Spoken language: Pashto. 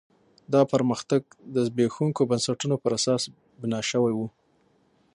دا پرمختګ د زبېښونکو بنسټونو پر اساس بنا شوی و.